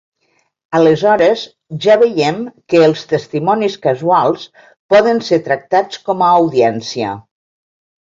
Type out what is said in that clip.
Aleshores ja veiem que els testimonis casuals poden ser tractats com a audiència.